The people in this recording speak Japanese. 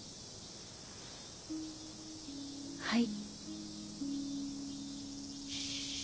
はい。